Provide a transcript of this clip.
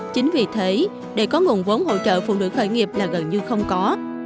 chính vì thế để có nguồn vốn hỗ trợ phụ nữ khởi nghiệp là gần như không có